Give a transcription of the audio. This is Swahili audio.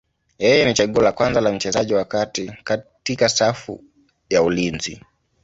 Yeye ni chaguo la kwanza la mchezaji wa kati katika safu ya ulinzi.